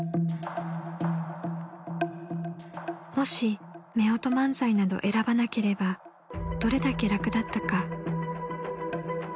［もしめおと漫才など選ばなければどれだけ楽だったか］